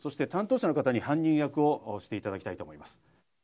担当者の方に犯人役をしていただきたいと思います。